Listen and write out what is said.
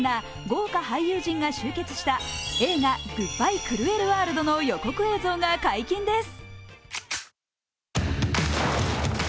豪華俳優陣が集結した映画「グッバイ・クルエル・ワールド」の予告映像が解禁です。